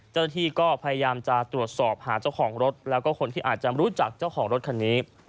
เจ้าหน้าที่ก็พยายามจะตรวจสอบหาเจ้าของรถแล้วก็คนที่อาจจะรู้จักเจ้าของรถคันนี้